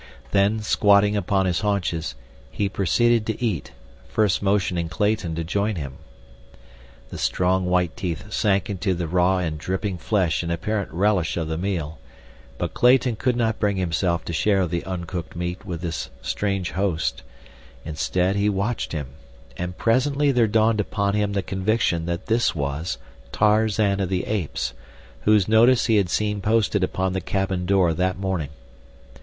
Then, squatting upon his haunches, he proceeded to eat, first motioning Clayton to join him. The strong white teeth sank into the raw and dripping flesh in apparent relish of the meal, but Clayton could not bring himself to share the uncooked meat with his strange host; instead he watched him, and presently there dawned upon him the conviction that this was Tarzan of the Apes, whose notice he had seen posted upon the cabin door that morning.